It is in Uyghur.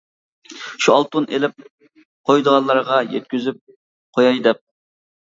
شۇ ئالتۇن ئېلىپ قويىدىغانلارغا يەتكۈزۈپ قوياي دەپ.